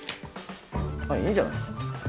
いいんじゃない？